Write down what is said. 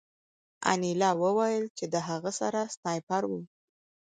انیلا وویل چې د هغه سره سنایپر و